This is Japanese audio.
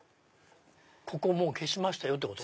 ここもう消しましたよってこと？